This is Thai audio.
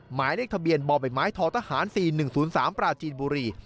หมายเลขทะเบียนบ่อใบไม้ททหาร๔๑๐๓ปราจีนบุรี